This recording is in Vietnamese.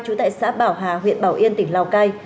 trú tại xã bảo hà huyện bảo yên tỉnh lào cai